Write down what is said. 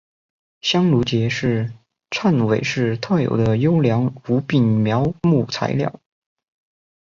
香炉桔是汕尾市特有的优良无病苗木材料。